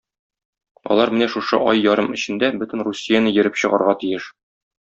Алар менә шушы ай ярым эчендә бөтен Русияне йөреп чыгарга тиеш.